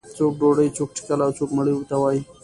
څوک ډوډۍ، څوک ټکله او څوک مړۍ ورته وایي.